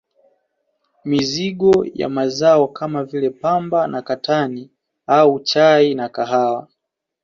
Mizigo ya Mazao kama vile Pamba na katani au chai na kahawa